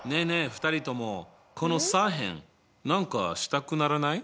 ２人ともこの左辺何かしたくならない？